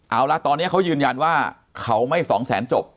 เอาละตอนนี้เขายืนยันว่าเขาไม่สองแสนจบ